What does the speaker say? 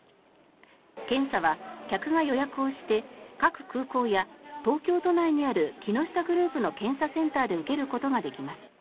検査は客が予約をして各空港や、東京都内にある木下グループの検査センターで受けることができます。